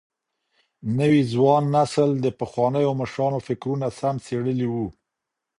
نوي ځوان نسل د پخوانيو مشرانو فکرونه سم څېړلي وو.